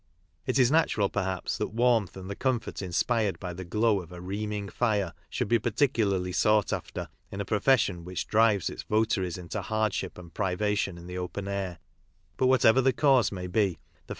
It is natural, perhaps, that warmth and the comfort inspired by the glow of a "reeining" fire should be particularly sought after in a profession which drives its votaries into hardship and privation in the open air; but whatever the cause maybe, the f .